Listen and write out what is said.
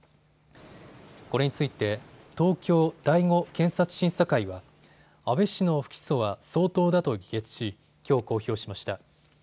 これについて東京第５検察審査会は安倍氏の不起訴は相当だと議決しきょう公表しました。